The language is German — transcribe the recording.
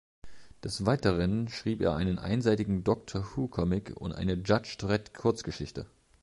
Des Weiteren schrieb er einen einseitigen "Doctor Who"-Comic und eine Judge Dredd-Kurzgeschichte.